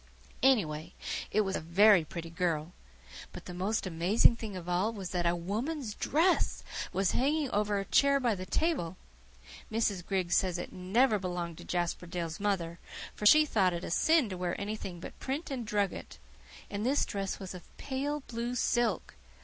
Anyway, it was a very pretty girl. But the most amazing thing of all was that A WOMAN'S DRESS was hanging over a chair by the table. Mrs. Griggs says it NEVER belonged to Jasper Dale's mother, for she thought it a sin to wear anything but print and drugget; and this dress was of PALE BLUE silk.